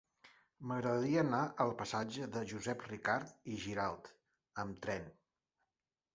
M'agradaria anar al passatge de Josep Ricart i Giralt amb tren.